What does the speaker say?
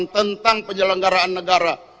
tentang penyelenggaraan negara